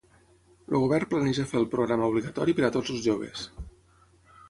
El govern planeja fer el programa obligatori per a tots els joves.